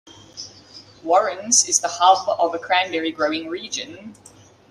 Warrens is the hub of a cranberry-growing region.